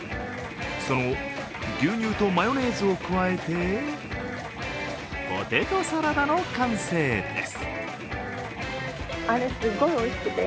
その後、牛乳とマヨネーズを加えてポテトサラダの完成です。